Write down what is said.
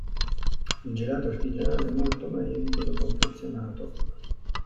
Il gelato artigianale è molto meglio di quello confezionato.